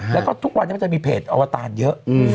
แล้วก็ทุกวันนี้มันจะมีเพจอวตารเยอะ